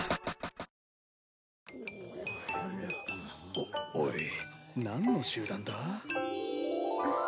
おおい何の集団だ？ん。